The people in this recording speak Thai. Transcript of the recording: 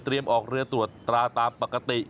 ออกเรือตรวจตราตามปกติ